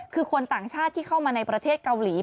คือคนต่างชาติที่เข้ามาในประเทศเกาหลี